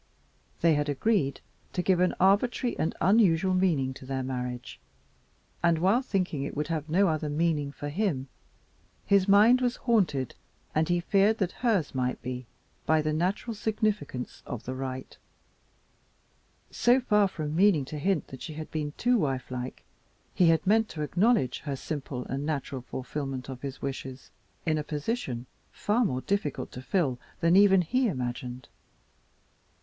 They had agreed to give an arbitrary and unusual meaning to their marriage, and, while thinking it could have no other meaning for him, his mind was haunted, and he feared that hers might be, by the natural significance of the rite. So far from meaning to hint that she had been too wifelike, he had meant to acknowledge her simple and natural fulfillment of his wishes in a position far more difficult to fill than even he imagined.